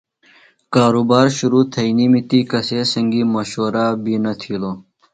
کارُبار شِرو تھئینیمی تی کسے سنگیۡ مشورہ بیۡ نہ تِھیلوۡ۔